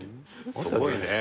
すごいね。